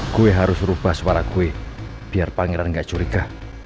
gue harus rubah suara gue biar pangeran gak curiga